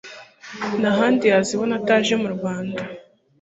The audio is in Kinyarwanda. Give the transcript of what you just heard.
nta handi yazibona ataje mu Rwanda.